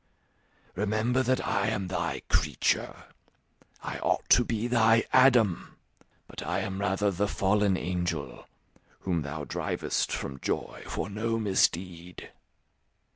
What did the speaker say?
Remember that I am thy creature; I ought to be thy Adam, but I am rather the fallen angel, whom thou drivest from joy for no misdeed.